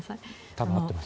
多分合ってます。